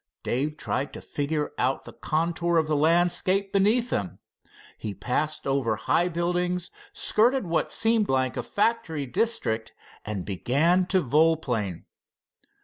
Dave tried to figure out the contour of the landscape beneath them. He passed over high buildings, skirted what seemed like a factory district, and began to volplane.